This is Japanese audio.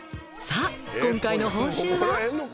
さあ今回の報酬は？